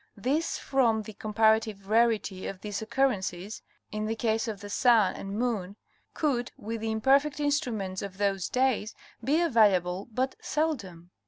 This from the comparative rarity of these occurrences in the case of the sun and moon, could with the imperfect instruments of those days be available but sel dom.